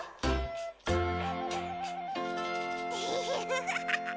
フフフフ。